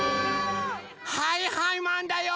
はいはいマンだよ！